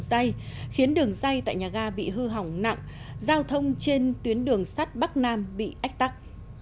đường dây khiến đường dây tại nhà ga bị hư hỏng nặng giao thông trên tuyến đường sắt bắc nam bị ách tắc